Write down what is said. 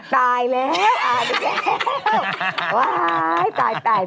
ตายแล้วอ่าเดี๋ยวตายตาย